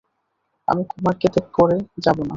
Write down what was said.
আমি কুমারকে ত্যাগ করে যাবো না।